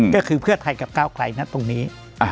ก็คือเพื่อไทยกับก้าวไกลนะตรงนี้